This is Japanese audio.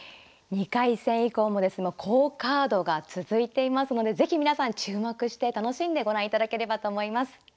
２回戦以降も好カードが続いていますので是非皆さん注目して楽しんでご覧いただければと思います。